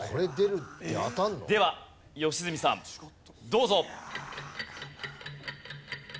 では良純さんどうぞ。